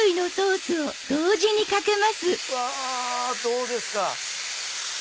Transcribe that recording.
どうですか？